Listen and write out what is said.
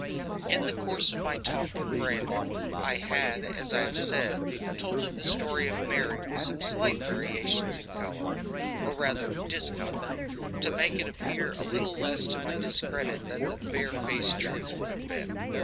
In the course of my talk with Brandon I had, as I have said, told him the story of Mary, with some slight variations and coloring, or rather discoloring, to make it appear a little less to my discredit than the barefaced truth would have been.